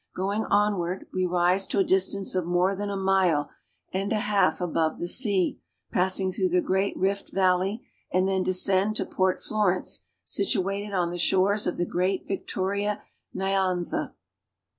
Going onward, we rise to a distance of more than a mile ' and a half above the sea, passing through the great Rift valley, and then descend to Port Florence situated on the shores of the great Victoria Nyaiiza (Nyan'za).